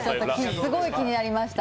すごい気になりました。